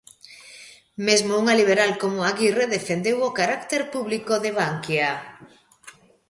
Mesmo unha liberal como Aguirre defendeu o carácter público de Bankia.